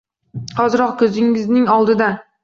Hoziroq, koʻzingizning oldida